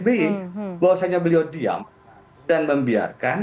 dan juga bahwasanya beliau diam dan membiarkan